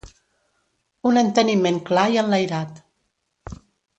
Un enteniment clar i enlairat.